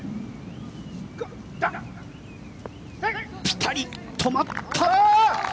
ピタリ、止まった！